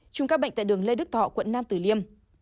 chùm ca bệnh tại đường lê đức thọ quận nam tử liêm